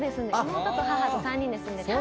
妹と母と３人で住んでて。